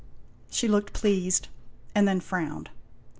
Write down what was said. She looked pleased and then frowned.